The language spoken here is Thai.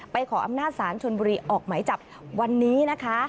ขออำนาจศาลชนบุรีออกหมายจับวันนี้นะคะ